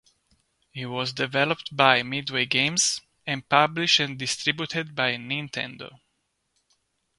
It was developed by Midway Games and published and distributed by Nintendo.